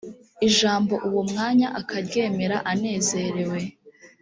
ijambo uwo mwanya akaryemera anezerewe